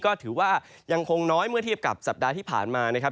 ก็ถือว่ายังคงน้อยเมื่อเทียบกับสัปดาห์ที่ผ่านมานะครับ